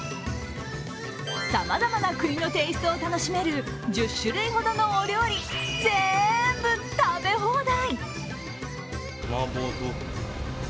さまざまな国のテイストを楽しめる１０種類ほどのお料理、全部、食べ放題！